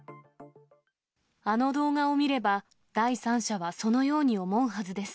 あの動画を見れば、第三者はそのように思うはずです。